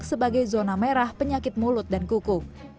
sebagai zona merah penyakit mulut dan kuku